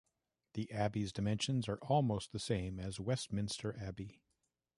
The abbey's dimensions are almost the same as Westminster Abbey.